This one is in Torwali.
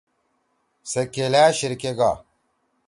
سے کِلأ شیِر کے گا۔